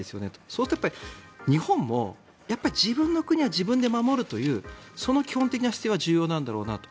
そうすると日本も自分の国は自分で守るというその基本的な姿勢は重要なんだろうなと。